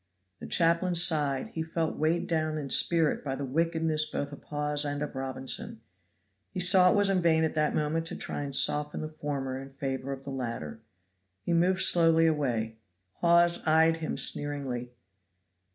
The chaplain sighed. He felt weighed down in spirit by the wickedness both of Hawes and of Robinson. He saw it was in vain at that moment to try to soften the former in favor of the latter. He moved slowly away. Hawes eyed him sneeringly.